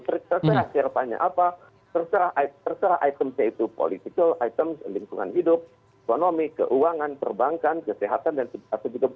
terserah kerapannya apa terserah itemnya itu politik item lingkungan hidup ekonomi keuangan perbankan kesehatan dan sebagainya